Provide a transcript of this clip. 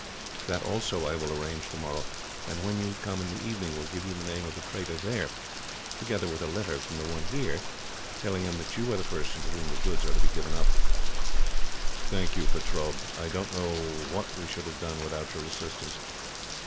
That, also, I will arrange tomorrow, and when you come in the evening will give you the name of the trader there, together with a letter from the one here, telling him that you are the person to whom the goods are to be given up." "Thank you, Pertaub. I don't know what we should have done, without your assistance."